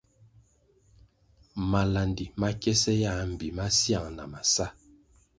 Malandi ma kiese yãh mbpi masiang na masá.